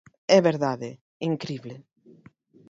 É verdade, incrible.